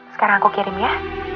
sekarang aku kirim ya